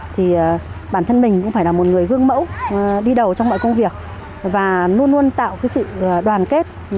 thì bản thân mình cũng phải là một người gương mẫu đi đầu trong mọi công việc và luôn luôn tạo sự đoàn kết